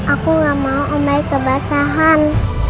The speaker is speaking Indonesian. aku gak mau ambai kebasahan